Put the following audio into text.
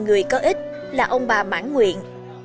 người có ích là ông bà mãn nguyện